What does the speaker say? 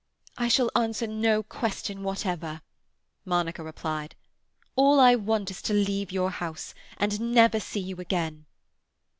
"I shall answer no question whatever," Monica replied. "All I want is to leave your house, and never see you again."